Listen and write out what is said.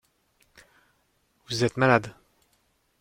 Vous êtes malades.